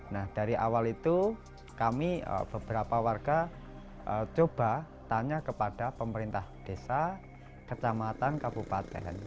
nah dari awal itu kami beberapa warga coba tanya kepada pemerintah desa kecamatan kabupaten